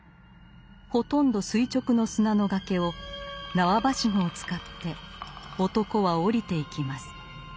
ほとんど垂直の砂の崖を縄ばしごを使って男は降りていきます。